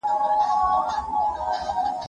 زه به سبا د ښوونځی لپاره امادګي ونيسم!.